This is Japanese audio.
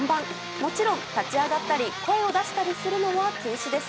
もちろん立ち上がったり声を出したりするのは禁止です。